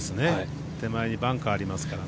手前にバンカーありますから。